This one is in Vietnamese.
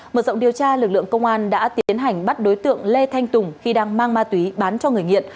mở rộng điều tra lực lượng công an đã tiến hành bắt đối tượng lê thanh tùng khi đang mang ma túy bán cho người nghiện